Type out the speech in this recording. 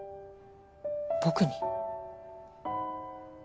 僕に？